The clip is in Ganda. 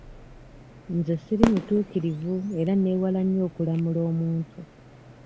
Nze siri mutuukirivu era neewala nnyo okulamula omuntu.